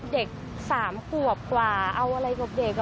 เด็ก๓ขวบกว่าเอาอะไรกับเด็ก